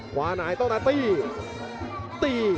ขวานายต้องการตีตี